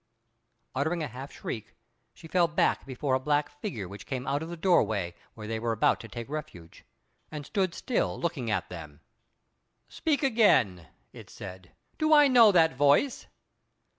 Uttering a half shriek, she fell back before a black figure which came out of the door way where they were about to take refuge, and stood still, looking at them. "Speak again," it said; "do I know that voice?"